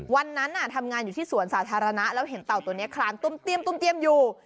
วันนั้นทำงานอยู่ที่สวนสาธารณะแล้วเห็นเต่าตัวนี้คลานตุ้มเตี้ยมอยู่